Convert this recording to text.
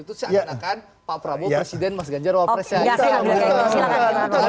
itu seandainya pak prabowo presiden mas ganjar wawal presiden